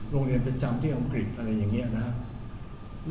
เรียนประจำที่อังกฤษอะไรอย่างนี้นะครับ